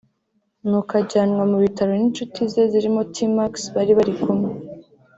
nuko ajyanwa mu bitaro n’inshuti ze zirimo T-Max bari bari kumwe